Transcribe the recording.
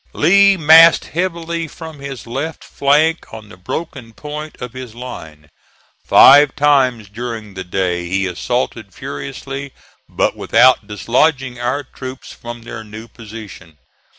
Lee massed heavily from his left flank on the broken point of his line. Five times during the day he assaulted furiously, but without dislodging our troops from their new position.